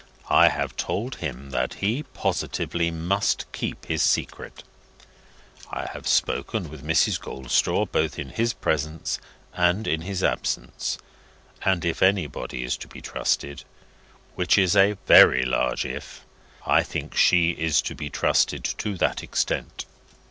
I have told him that he positively must keep his secret. I have spoken with Mrs. Goldstraw, both in his presence and in his absence; and if anybody is to be trusted (which is a very large IF), I think she is to be trusted to that extent.